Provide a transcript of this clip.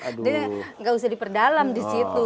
gak usah diperdalam disitu